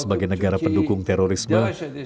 sebagai negara mendukung terorisme